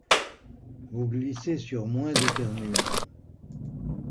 Vous glissez sur moins d'éternuements.